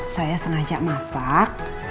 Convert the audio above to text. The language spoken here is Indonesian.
saya sengaja masak